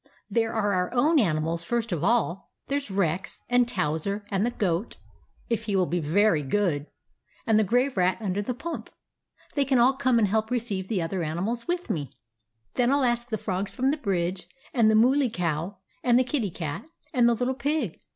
There are our own animals, first of all. There 's Rex, and Towser, and the Goat (if he will be very good), and the Grey Rat under the pump. They can all come and help receive the other animals with me. Then I '11 ask the Frogs from the bridge, and the Mooly Cow, and the Kitty Cat, and the Little Pig.